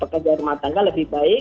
pekerja rumah tangga lebih baik